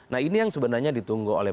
nah ini yang sebenarnya ditunggu oleh